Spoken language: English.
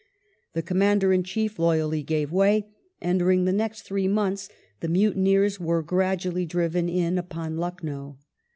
The Commander in Chief loyally gave way, and during the next three months the mutineei's were gradually driven in upon Lucknow.